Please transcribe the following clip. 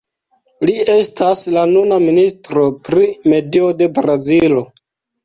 Li estas la nuna Ministro pri Medio de Brazilo.